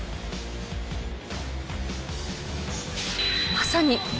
まさに。